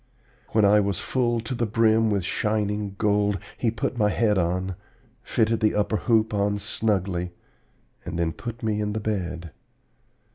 When I was full to the brim with shining gold, he put my head on, fitted the upper hoop on snugly, and then put me in the bed.